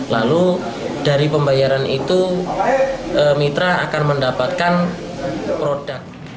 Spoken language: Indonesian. lalu dari pembayaran itu mitra akan mendapatkan produk